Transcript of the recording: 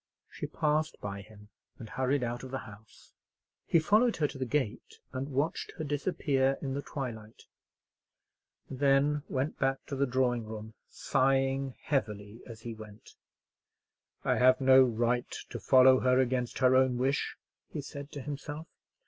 She passed by him, and hurried out of the house. He followed her to the gate, and watched her disappear in the twilight; and then went back to the drawing room, sighing heavily as he went. "I have no right to follow her against her own wish," he said to himself.